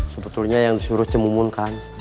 sebetulnya yang disuruh cemumun kan